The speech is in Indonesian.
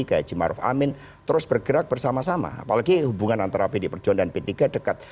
gaji maruf amin terus bergerak bersama sama apalagi hubungan antara pdi perjuangan dan p tiga dekat